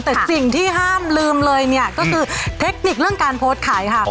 แต่สิ่งที่ห้ามลืมเลยเนี่ยก็คือเทคนิคเรื่องการโพสต์ขายค่ะ